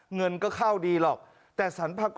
เงินก็เข้าดีหรอกแต่สรรพากร